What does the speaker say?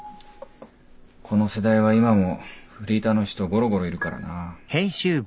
この世代は今もフリーターの人ゴロゴロいるからな。